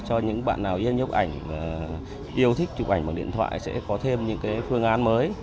cho những bạn nào yêu thích chụp ảnh bằng điện thoại sẽ có thêm những phương án mới